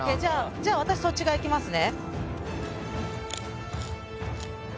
じゃあ私そっち側いきますね。